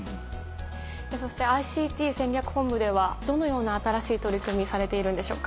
そしてＩＣＴ戦略本部ではどのような新しい取り組みされているんでしょうか？